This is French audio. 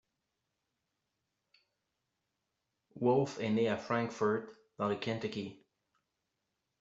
Wolfe est né à Frankfort dans le Kentucky.